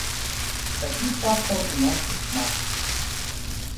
Такіх фактаў у нас шмат.